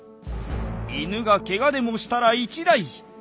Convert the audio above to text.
「犬がケガでもしたら一大事。